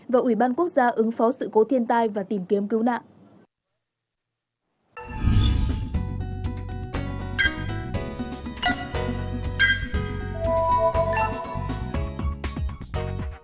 và ủy ban quốc gia ứng phó sự cố thiên tai và tìm kiếm cứu nạn